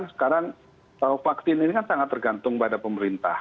sekarang vaksin ini kan sangat tergantung pada pemerintah